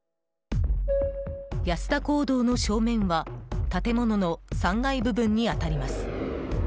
安田講堂の正面は建物の３階部分に当たります。